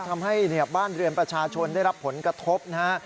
ทำให้บ้านเรือนประชาชนได้รับผลกระทบนะฮะ